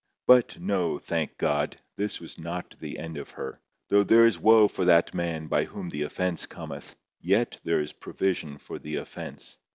But no, thank God! this was not the end of her. Though there is woe for that man by whom the offence cometh, yet there is provision for the offence.